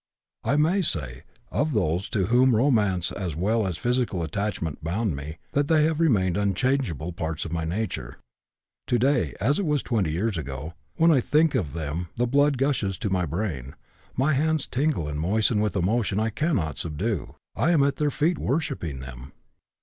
I may say, of those to whom romance as well as physical attachment bound me, that they have remained unchangeable parts of my nature. Today, as it was twenty years ago, when I think of them the blood gushes to my brain, my hands tingle and moisten with an emotion I cannot subdue: I am at their feet worshipping them.